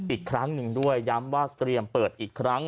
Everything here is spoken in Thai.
อีกครั้งหนึ่งด้วยย้ำว่าเตรียมเปิดอีกครั้ง